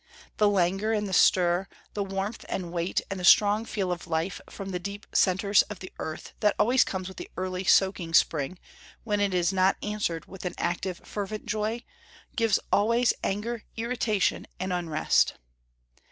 The languor and the stir, the warmth and weight and the strong feel of life from the deep centres of the earth that comes always with the early, soaking spring, when it is not answered with an active fervent joy, gives always anger, irritation and unrest.